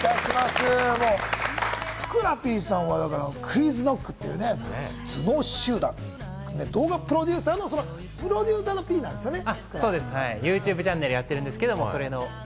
ふくらＰさんはＱｕｉｚＫｎｏｃｋっていう頭脳集団、動画プロデューサーのＰ、そのプロデューサーのＰなんですよね。